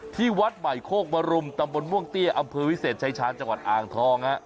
ที่วัดใหม่โคกมรุมตำบลม่วงเตี้ยอำเภอวิเศษชายชาญจังหวัดอ่างทอง